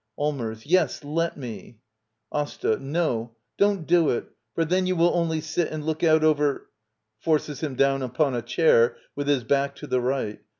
Allmers. Yes, let me. AsTA. No; don't do it. For then you will only sit and look out over — [Forces him down upon a chair, with his back to the right.